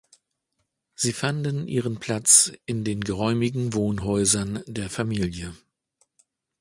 Sie fanden ihren Platz in den geräumigen Wohnhäusern der Familie.